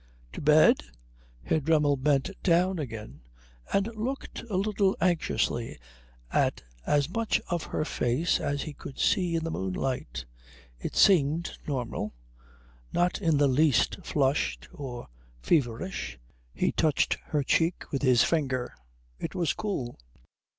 "To bed?" Herr Dremmel bent down again and looked a little anxiously at as much of her face as he could see in the moonlight. It seemed normal; not in the least flushed or feverish. He touched her cheek with his finger. It was cool.